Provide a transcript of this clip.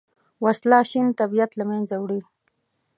وسله شین طبیعت له منځه وړي